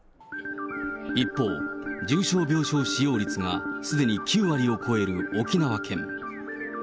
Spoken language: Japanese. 一方、重症病床使用率がすでに９割を超える沖縄県。